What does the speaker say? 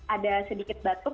ada sedikit batuk